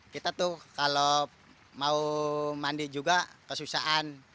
kita tuh kalau mau mandi juga kesusahan